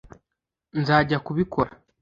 nzajya kubikora